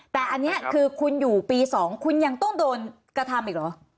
แต่อันนี้คือคุณอยู่ปี๒คุณยังต้องโดนกระทำอีกเหรอ